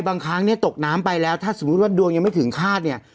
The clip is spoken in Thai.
บางครั้งเนี่ยตกน้ำไปแล้วถ้าสมมุติว่าดวงยังไม่ถึงคาดเนี่ย